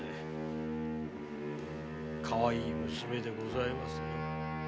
かわいい娘でございます。